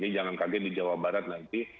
ini jangan kaget di jawa barat nanti